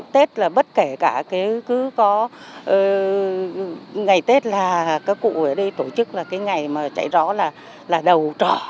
tết là bất kể cả cứ có ngày tết là các cụ ở đây tổ chức là cái ngày mà chạy gió là đầu trọ